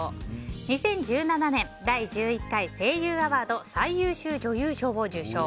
２０１７年、第１１回声優アワード最優秀女優賞を受賞。